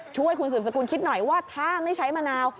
ช่วยคุณสืบสกุลคิดหน่อยว่าถ้าไม่ใช้มะนาว